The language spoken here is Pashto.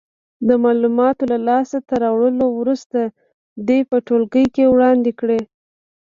د معلوماتو له لاس ته راوړلو وروسته دې په ټولګي کې وړاندې کړې.